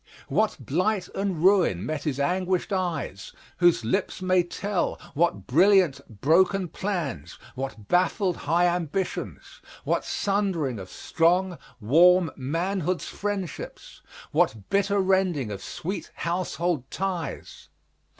What blight and ruin met his anguished eyes, whose lips may tell what brilliant, broken plans, what baffled, high ambitions, what sundering of strong, warm, manhood's friendships, what bitter rending of sweet household ties!